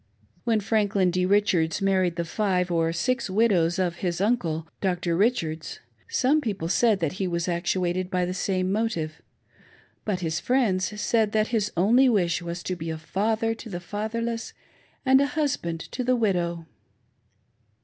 When Franklin D. Richards married the five or six widows 6f his uncle,* Dr. Richards, some people said that he was act uated by the same motive ; but his friends said that his only wis'h was to be a father to the fatherless and a husband to the widow!